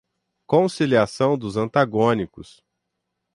Conciliação dos antagônicos